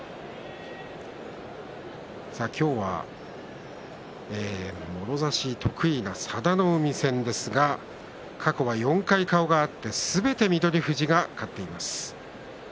今日はもろ差し得意の佐田の海戦ですが過去４回顔が合ってすべて翠富士が勝っています。